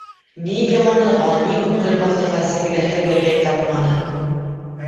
Ни йыуанырға, күңел баҫырға Сәбиләһе бәпәй тапманы.